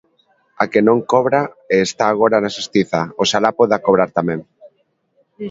A que non cobra, e está agora na Xustiza, ¡oxalá poida cobrar tamén!